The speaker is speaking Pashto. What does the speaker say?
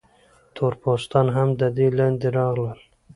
تور پوستان هم د دې لاندې راغلل.